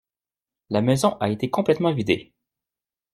La maison a été complètement vidée.